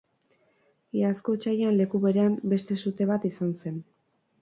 Iazko otsailean leku berean beste sute bat izan zen.